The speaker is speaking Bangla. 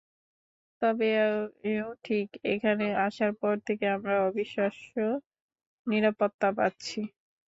তবে এও ঠিক, এখানে আসার পর থেকে আমরা অবিশ্বাস্য নিরাপত্তা পাচ্ছি।